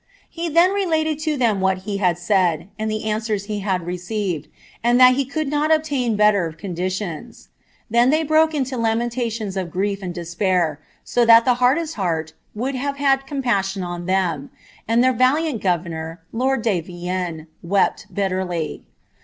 lie then related to ihem what he had said, and ihe aar ■ wem he had received, and Ihal he could not obtain beller condition^ Thfn they broke inio lamentations of grief and despair, so thai ths luinlesi heart would have had compaEBioci on ilieni ; and their valiant guTcraor, lord de Vienne, wept bitterly.